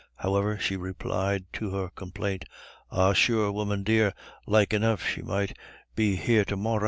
However, she replied to her complaint: "Ah, sure, woman dear, like enough she might be here to morra."